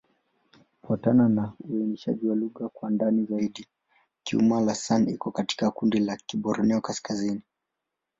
Kufuatana na uainishaji wa lugha kwa ndani zaidi, Kiuma'-Lasan iko katika kundi la Kiborneo-Kaskazini.